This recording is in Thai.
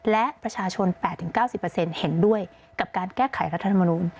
และประชาชน๘๙๐เห็นด้วยกับการแก้ไขรัฐธรรมนูล